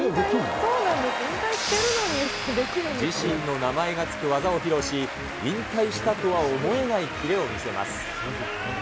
自身の名前が付く技を披露し、引退したとは思えないキレを見せます。